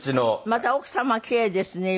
また奥様は奇麗ですね。